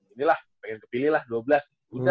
ini lah pengen kepilih lah dua belas